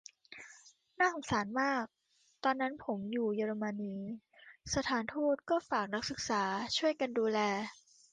น่าสงสารมาก : ตอนนั้นผมอยู่เยอรมนี สถานทูตก็ฝากนักศึกษาช่วยกันดูแล